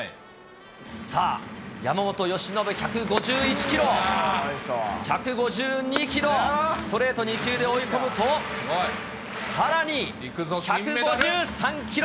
さあ、山本由伸、１５１キロ、１５２キロ、ストレート２球で追い込むと、さらに１５３キロ。